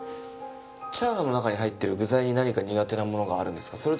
チャーハンの中に入ってる具材に何か苦手なものがあるんですか？